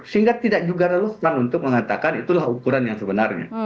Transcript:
sehingga tidak juga relevan untuk mengatakan itulah ukuran yang sebenarnya